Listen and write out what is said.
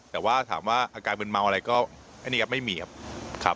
แต่ว่าถามว่าอาการมืนเมาอะไรก็อันนี้ครับไม่มีครับครับ